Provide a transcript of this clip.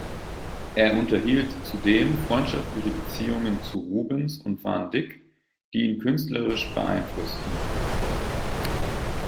Er unterhielt zudem freundschaftliche Beziehungen zu Rubens und van Dyck, die ihn künstlerisch beeinflussten.